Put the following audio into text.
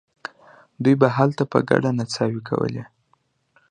دوی به هلته په ګډه نڅاوې کولې.